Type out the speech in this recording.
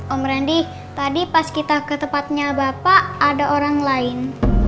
om randy tadi pas kita ke tempatnya bapak ada orang lain